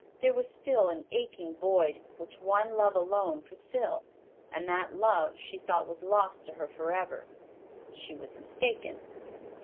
There was still an aching void, which one love alone could fill, and that love she thought was lost to her forever. She was mistaken.